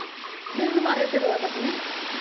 恵まれてる、私ね。